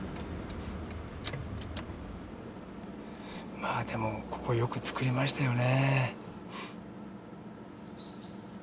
まあでもここよく造りましたよね。